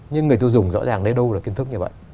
nhưng người tiêu dùng rõ ràng đây đâu là kiến thức như vậy